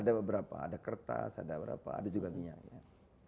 ada beberapa ada kertas ada juga minyaknya